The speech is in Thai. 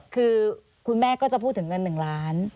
คือคุณแม่ก็จะพูดถึงเงิน๑ล้าน